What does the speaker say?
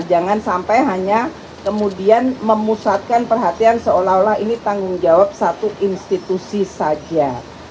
jangan sampai hanya kemudian memusatkan perhatian seolah olah ini tanggung jawab satu institusi saja